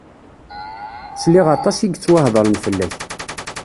Sliɣ aṭas i yettwahedren fell-ak.